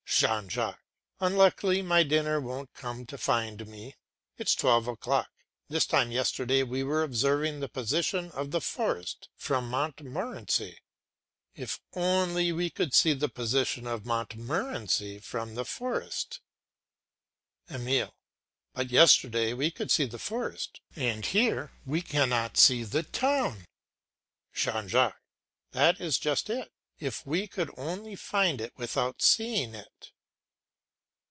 JEAN JACQUES. Unluckily my dinner won't come to find me. It is twelve o'clock. This time yesterday we were observing the position of the forest from Montmorency. If only we could see the position of Montmorency from the forest. EMILE. But yesterday we could see the forest, and here we cannot see the town. JEAN JACQUES. That is just it. If we could only find it without seeing it.